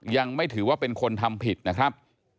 ยังไม่ถือว่าเป็นคนทำผิดนะครับ